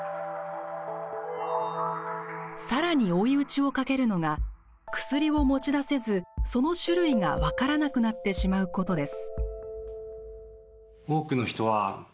さらに追い打ちをかけるのが薬を持ち出せず、その種類が分からなくなってしまうことです。